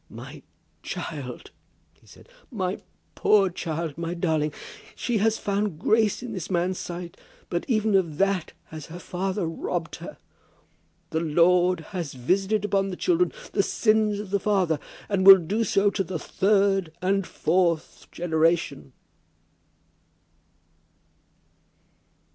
"My child!" he said. "My poor child! my darling! She has found grace in this man's sight; but even of that has her father robbed her! The Lord has visited upon the children the sins of the father, and will do so to the third and fourth generation."